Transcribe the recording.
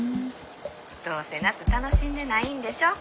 どうせ夏楽しんでないんでしょ。